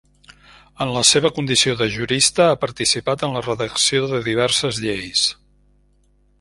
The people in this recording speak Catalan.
En la seva condició de jurista ha participat en la redacció de diverses lleis.